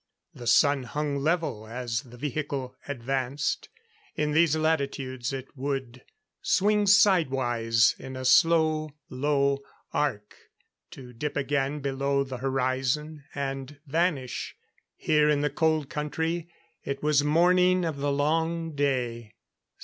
The Sun hung level as the vehicle advanced. In these latitudes it would swing side wise in a slow, low arc, to dip again below the horizon and vanish. Here in the Cold Country it was morning of the Long Day.